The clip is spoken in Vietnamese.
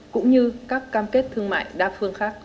cũng như các cam kết thương mại đa phương khác